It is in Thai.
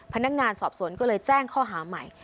พนักงานสอบสวนก็เลยแจ้งข้อหาใหม่